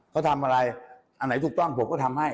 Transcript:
เขาทำอะไรอันไหนถูกต้องผมก็ทำให้